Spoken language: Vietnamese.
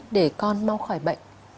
để con mau khỏi bệnh